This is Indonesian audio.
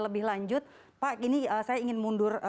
lebih lanjut pak ini saya ingin mundur